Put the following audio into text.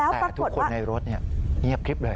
แต่ทุกคนในรถเนี่ยเงียบแฮ็บเลย